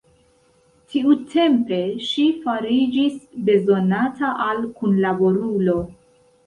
Tiutempe ŝi fariĝis bezonata al kunlaborulo.